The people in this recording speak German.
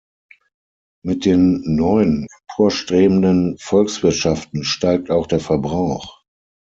Mit den neuen emporstrebenden Volkswirtschaften steigt auch der Verbrauch.